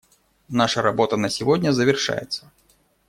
Наша работа на сегодня завершается.